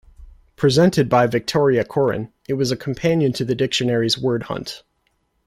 Presented by Victoria Coren, it was a companion to the dictionary's Wordhunt.